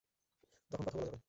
তখন কথা বলা যাবে।